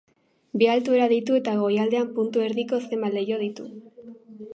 Bi altuera ditu eta goialdean puntu erdiko zenbait leiho ditu.